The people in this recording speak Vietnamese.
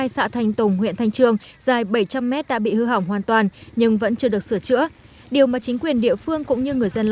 xã thanh tùng huyện thanh trường dài bảy trăm linh mét đã bị hư hỏng hoàn toàn nhưng vẫn chưa được sửa chữa